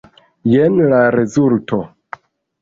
Jen la rezulto.